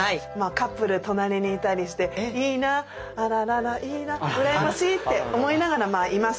カップル隣にいたりしていいなあらららいいな羨ましいって思いながらまあいます。